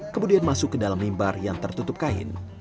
kemudian masuk ke dalam limbar yang tertutup kain